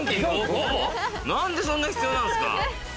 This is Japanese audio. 何でそんな必要なんですか？